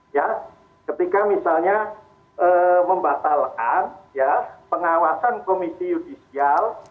ya ketika misalnya membatalkan pengawasan komisi judicial